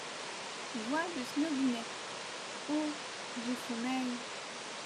Voix de Snobinet. — Oh !… j’ai sommeil.